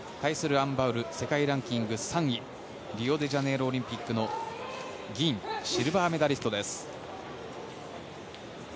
アン・バウル世界ランキング３位リオデジャネイロオリンピックの銀、シルバーメダリストです。